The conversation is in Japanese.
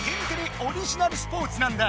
オリジナルスポーツなんだ。